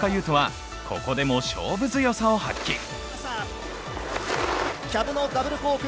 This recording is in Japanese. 斗は、ここでも勝負強さを発揮。